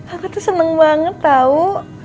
aku tuh seneng banget tau